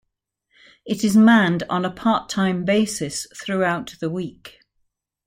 It is manned on a part-time basis throughout the week.